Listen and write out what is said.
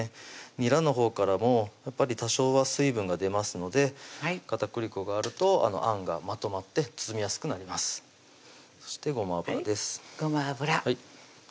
にらのほうからもやっぱり多少は水分が出ますので片栗粉があるとあんがまとまって包みやすくなりますそしてごま油です